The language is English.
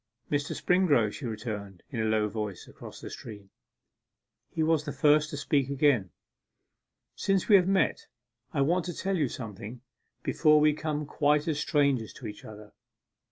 'Mr. Springrove,' she returned, in a low voice, across the stream. He was the first to speak again. 'Since we have met, I want to tell you something, before we become quite as strangers to each other.